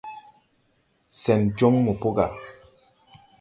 Sɛn jɔŋ mo po gà.